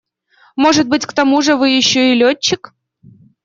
Может быть, к тому же вы еще и летчик?